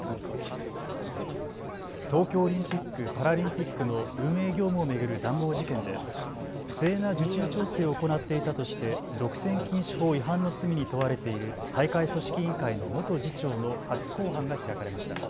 東京オリンピック・パラリンピックの運営業務を巡る談合事件で不正な受注調整を行っていたとして独占禁止法違反の罪に問われている大会組織委員会の元次長の初公判が開かれました。